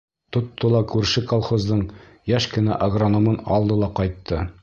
Тотто ла күрше колхоздың йәш кенә агрономын алды ла ҡайтты.